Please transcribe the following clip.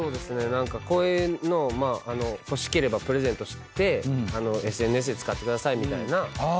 何かこういうのを欲しければプレゼントしてＳＮＳで使ってくださいみたいな。